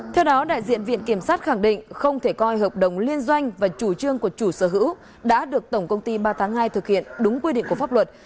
theo đó đại diện viện kiểm sát khẳng định không thể coi hợp đồng liên doanh và chủ trương của chủ sở hữu đã được tổng công ty ba tháng hai thực hiện đúng quy định của pháp luật